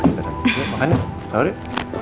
yuk makan ya sahur yuk